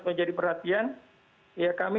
menjadi perhatian ya kami